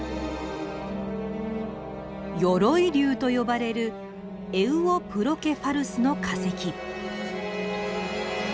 鎧竜と呼ばれるエウオプロケファルスの化石。